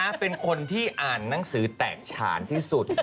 เป็นคนที่อ่านหนังสือแตกฉานที่สุด